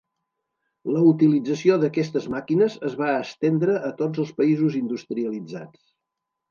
La utilització d'aquestes màquines es va estendre a tots els països industrialitzats.